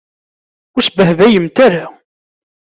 Ur sbehbayemt ara.